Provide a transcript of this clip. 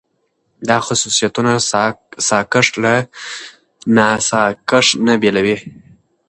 دا خصوصيتونه ساکښ له ناساکښ نه بېلوي.